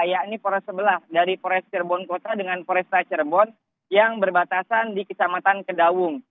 yakni forest sebelah dari forest cirebon kota dengan forest cirebon yang berbatasan di kecamatan kedaung